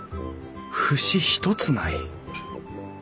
節一つない。